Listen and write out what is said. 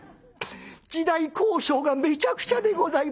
時代考証がめちゃくちゃでございます」。